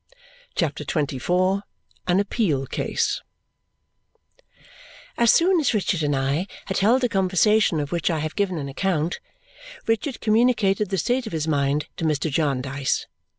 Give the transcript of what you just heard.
CHAPTER XXIV An Appeal Case As soon as Richard and I had held the conversation of which I have given an account, Richard communicated the state of his mind to Mr. Jarndyce.